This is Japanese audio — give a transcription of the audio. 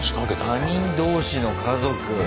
他人同士の家族。